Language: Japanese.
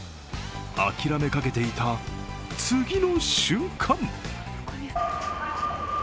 諦めかけていた次の瞬間